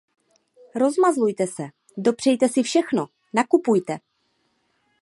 Rozmazlujte se; dopřejte si všechno; nakupujte.